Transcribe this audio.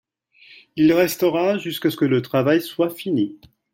Il restera jusqu'à ce que le travail soit fini.